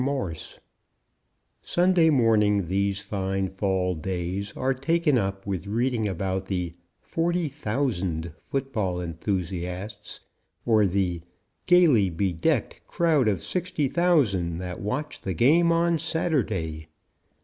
MORSE Sunday morning these fine fall days are taken up with reading about the "40,000 football enthusiasts" or the "gaily bedecked crowd of 60,000 that watched the game on Saturday."